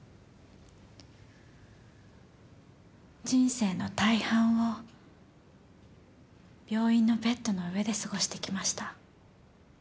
人生の大半を病院のベッドの上で過ごしてきました。